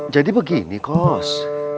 jadi begini kos